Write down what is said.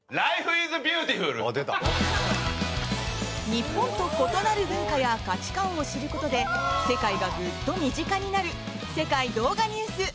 日本と異なる文化や価値観を知ることで世界がぐっと身近になる「世界動画ニュース」。